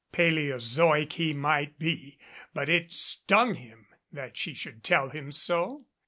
Paleozoic he might be, but it stung him that she should tell him so.